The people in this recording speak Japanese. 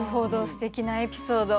すてきなエピソード。